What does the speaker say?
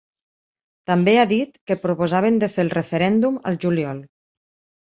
També ha dit que proposaven de fer el referèndum al juliol.